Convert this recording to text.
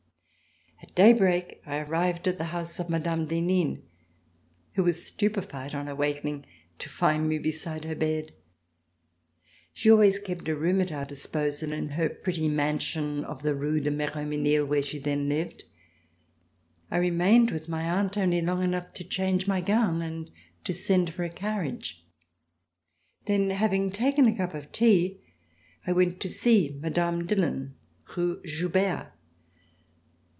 At daybreak, I arrived at the house of Mme. d'Henin who was stupified on awakening to find me beside her bed. She always kept a room at our dis posal In her pretty mansion of the Rue de Miromesnil where she then lived. I remained with my aunt only long enough to change my gown and to send for a carriage. Then, having taken a cup of tea, I went to see Mme. Dillon, Rue Joubert.